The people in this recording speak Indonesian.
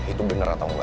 itu bener atau engga